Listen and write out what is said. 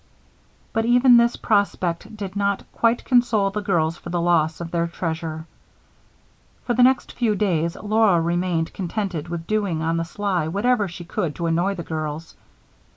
'" But even this prospect did not quite console the girls for the loss of their treasure. For the next few days, Laura remained contented with doing on the sly whatever she could to annoy the girls.